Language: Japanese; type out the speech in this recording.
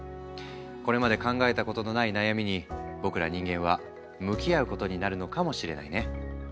これまで考えたことのない悩みに僕ら人間は向き合うことになるのかもしれないね。